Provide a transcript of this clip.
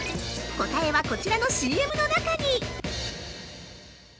答えは、こちらのＣＭの中に。